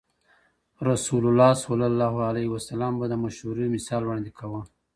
رسول الله صلی الله عليه وسلم به د مشورې مثال وړاندې کاوه.